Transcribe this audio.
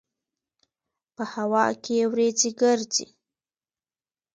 په هوا کې یې وريځې ګرځي.